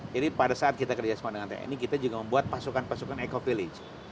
jadi pada saat kita kerjasama dengan tni kita juga membuat pasukan pasukan ecovillage